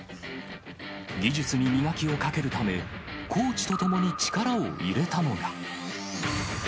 技術に磨きをかけるため、コーチと共に力を入れたのが。